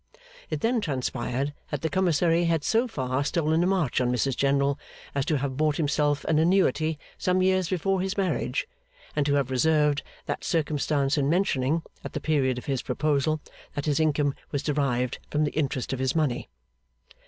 It then transpired that the commissary had so far stolen a march on Mrs General as to have bought himself an annuity some years before his marriage, and to have reserved that circumstance in mentioning, at the period of his proposal, that his income was derived from the interest of his money.